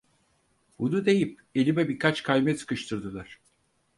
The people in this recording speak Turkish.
Bunu deyip elime birkaç kayme sıkıştırdılar.